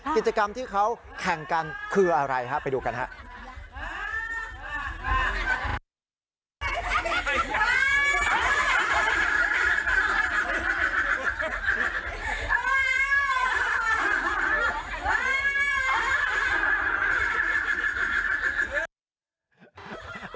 กิจกรรมที่เขาแข่งกันคืออะไรฮะไปดูกันครับ